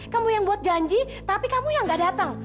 kamu yang buat janji tapi kamu yang gak datang